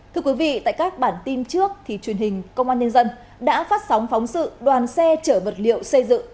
thưa quý vị tại các bản tin trước thì truyền hình công an nhân dân đã phát sóng phóng sự đoàn xe chở vật liệu xây dựng